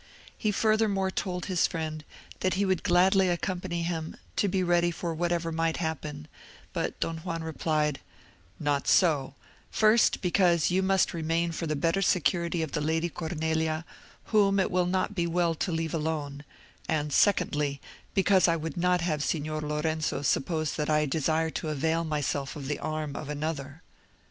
He furthermore told his friend that he would gladly accompany him, to be ready for whatever might happen, but Don Juan replied—"Not so; first, because you must remain for the better security of the lady Cornelia, whom it will not be well to leave alone; and secondly, because I would not have Signor Lorenzo suppose that I desire to avail myself of the arm of another."